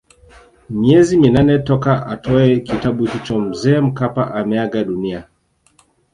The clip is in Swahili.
Miezi minane toka atoe kitabu hicho Mzee Mkapa ameaga dunia